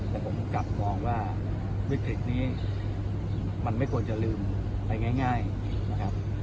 แต่ผมกลับมองว่าวิกฤตนี้มันไม่ควรจะลืมไปง่ายนะครับ